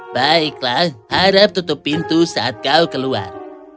baiklah harap tutup pintu saat kau keluar